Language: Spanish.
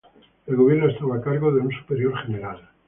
El gobierno estaba a cargo de un superior general.